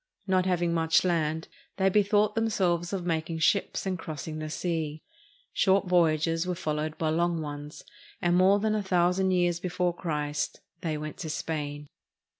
Not having much land, they bethought them selves of making ships and crossing the sea. Short voy ages were followed by long ones, and more than a thou sand years before Christ they went to Spain.